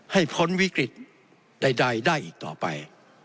พ้นวิกฤตใดได้อีกต่อไป